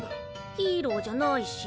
ヒーローじゃないし。